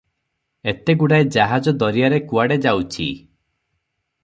ଏତେଗୁଡାଏ ଜାହାଜ ଦରିଆରେ କୁଆଡ଼େ ଯାଉଛି ।